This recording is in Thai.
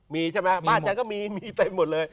มีใช่ไหมบ้านฉันก็มีมีเต็มหมดเลย